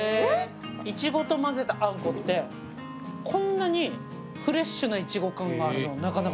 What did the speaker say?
イチゴと混ぜたあんこってこんなにフレッシュなイチゴ感があるのはなかなかないっすよ。